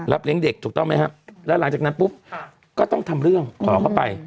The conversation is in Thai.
เลี้ยงเด็กถูกต้องไหมครับแล้วหลังจากนั้นปุ๊บก็ต้องทำเรื่องขอเข้าไป